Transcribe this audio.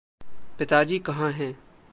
पिताजी कहाँ हैं?